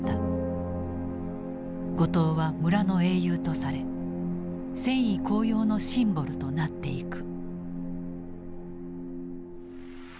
後藤は村の英雄とされ戦意高揚のシンボルとなっていく。